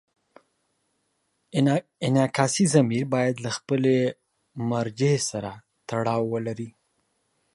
انعکاسي ضمیر باید له خپلې مرجع سره تړاو ولري.